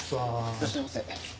いらっしゃいませ。